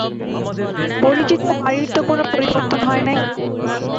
পরিচিত বাড়ির তো কোনো পরিবর্তন হয় নাই।